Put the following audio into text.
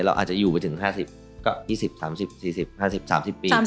เป็นตรีที่๓๐ปี